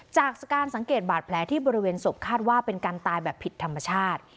จากการสังเกตบาดแผลที่บริเวณศพคาดว่าเป็นการตายแบบผิดธรรมชาติ